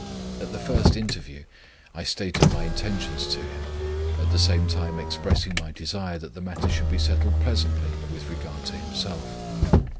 At the first interview, I stated my intentions to him, at the same time expressing my desire that the matter should be settled pleasantly with regard to himself.